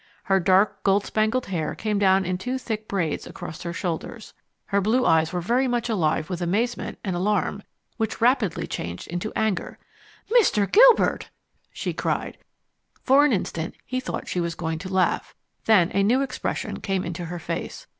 Her dark, gold spangled hair came down in two thick braids across her shoulders. Her blue eyes were very much alive with amazement and alarm which rapidly changed into anger. "Mr. Gilbert!" she cried. For an instant he thought she was going to laugh. Then a new expression came into her face.